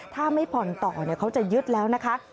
ถ้าไม่ผ่อนต่อเขาจะยึดแล้วนะคะ